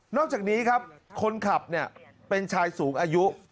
อกจากนี้ครับคนขับเป็นชายสูงอายุ